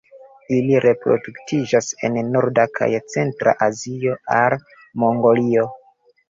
Ili reproduktiĝas en norda kaj centra Azio al Mongolio.